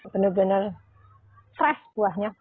benar benar fresh buahnya kan fresh